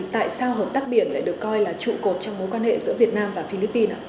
tại sao hợp tác biển lại được coi là trụ cột trong mối quan hệ giữa việt nam và philippines